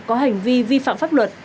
có hành vi vi phạm pháp luật